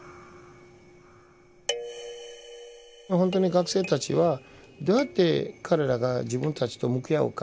本当に学生たちはどうやって彼らが自分たちと向き合うか。